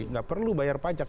tidak perlu bayar pajak